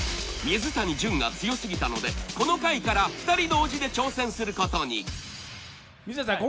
水谷隼が強すぎたのでこの回から２人同時で挑戦することに水谷さん